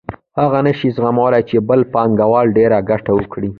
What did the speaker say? هغه نشي زغملای چې بل پانګوال ډېره ګټه وکړي